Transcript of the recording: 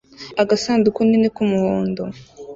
agasanduku nini k'umuhondo